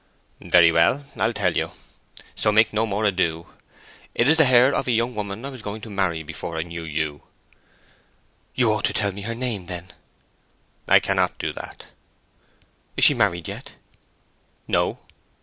"Very well—I'll tell you, so make no more ado. It is the hair of a young woman I was going to marry before I knew you." "You ought to tell me her name, then." "I cannot do that." "Is she married yet?" "No."